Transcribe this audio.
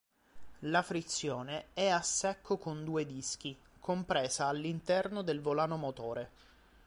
La frizione è a secco con due dischi, compresa all'interno del volano motore.